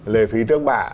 lề phí trước bà